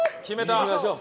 行きましょう。